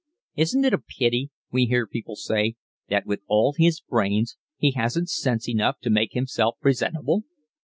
"Isn't it a pity," we hear people say, "that, with all his brains, he hasn't sense enough to make himself presentable?"